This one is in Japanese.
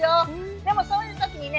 でもそういう時にね